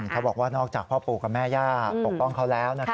เขาบอกว่านอกจากพ่อปู่กับแม่ย่าปกป้องเขาแล้ว